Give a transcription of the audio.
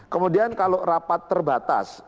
kemudian kalau rapat terbatas